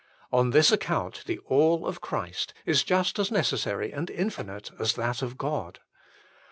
On this account the ALL of Christ is just as necessary and infinite as that of God.